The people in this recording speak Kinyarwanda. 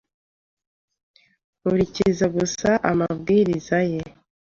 Nkurikiza gusa amabwiriza ye.